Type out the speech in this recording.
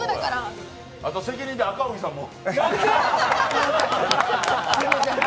あと責任で赤荻さんも。